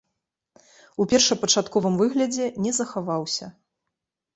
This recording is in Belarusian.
У першапачатковым выглядзе не захаваўся.